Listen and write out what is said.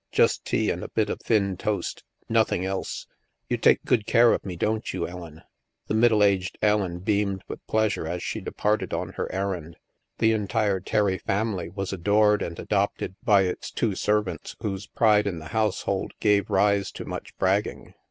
Just tea and a bit of thin toast. Nothing else. You take good care of me, don't you, Ellen?" The middle aged Ellen beamed with pleasure as she departed on her errand. The entire Terry fam ily was adored and adopted by its two servants whose pride in the household gave rise to much bragging.